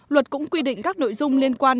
luật cũng quy định các nội dung liên quan